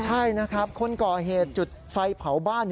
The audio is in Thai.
ใช่นะครับคนก่อเหตุจุดไฟเผาบ้าน